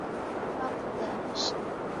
ko bakubyaye bishimye